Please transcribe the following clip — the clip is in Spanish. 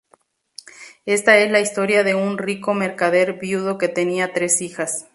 Esta es la historia de un rico mercader viudo que tenía tres hijas.